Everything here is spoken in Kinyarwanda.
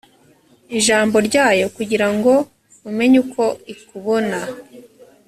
ijambo ryayo kugira ngo umenye uko ikubona